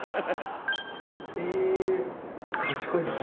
へえ賢いっすね。